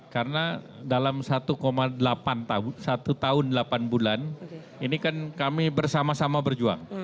karena dalam satu delapan tahun satu tahun delapan bulan ini kan kami bersama sama berjuang